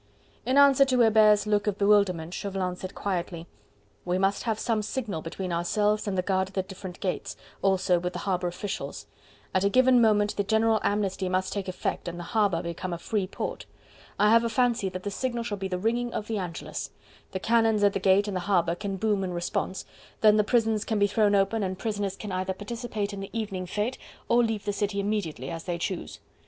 In answer to Hebert's look of bewilderment Chauvelin said quietly: "We must have some signal between ourselves and the guard at the different gates, also with the harbour officials: at a given moment the general amnesty must take effect and the harbour become a free port. I have a fancy that the signal shall be the ringing of the Angelus: the cannons at the gates and the harbour can boom in response; then the prisons can be thrown open and prisoners can either participate in the evening fete or leave the city immediately, as they choose.